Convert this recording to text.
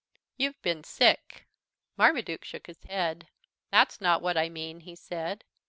"You've been sick." Marmaduke shook his head. "That's not what I mean," he said.